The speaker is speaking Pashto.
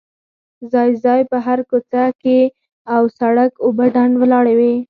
ځای ځای په هره کوڅه او سړ ک اوبه ډنډ ولاړې وې.